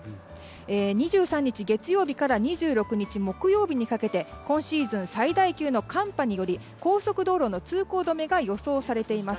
２３日、月曜日から２６日、木曜日にかけて今シーズン最大級の寒波により高速道路の通行止めが予想されています。